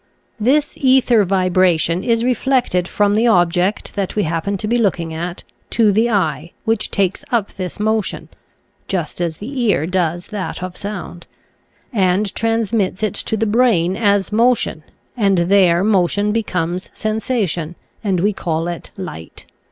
This ether vibration is reflected from the object that we happen to be looking at, to the eye, which takes up this motion — just as the ear does that of sound — and transmits it to the brain as motion, and there motion becomes sensation, and we call it Light.